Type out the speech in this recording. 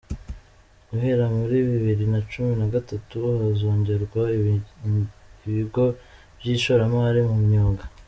Guhera muri bibiri nacumi nagatatu hazongerwa ibigo by’ishoramari mu myuga